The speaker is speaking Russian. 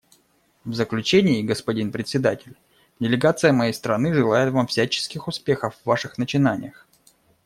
В заключение, господин Председатель, делегация моей страны желает Вам всяческих успехов в Ваших начинаниях.